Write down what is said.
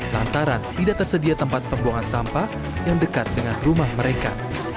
lantaran tidak tersedia tempat pembuangan sampah yang dekat dengan rumah mereka